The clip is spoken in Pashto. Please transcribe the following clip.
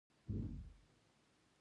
د هېڅ شي په اړه ډېر فکر نه کوم.